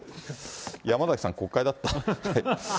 山崎さん、国会だった。